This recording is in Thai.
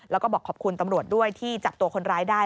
แล้วก็บอกขอบคุณตำรวจด้วยที่จับตัวคนร้ายได้